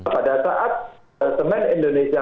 pada saat semen indonesia